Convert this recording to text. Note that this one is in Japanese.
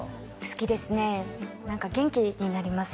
好きですね何か元気になります